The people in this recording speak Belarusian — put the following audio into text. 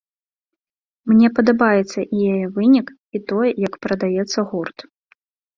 Мне падабаецца і яе вынік, і тое, як прадаецца гурт.